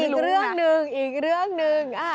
อีกเรื่องหนึ่งอีกเรื่องหนึ่ง